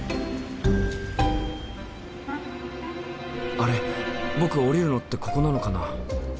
あれ僕降りるのってここなのかな？